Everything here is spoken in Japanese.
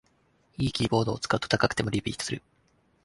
良いキーボードを使うと高くてもリピートする